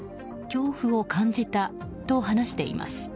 恐怖を感じたと話しています。